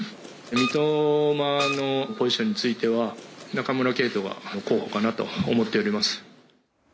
三笘のポジションについては中村敬斗が候補かなと思っております。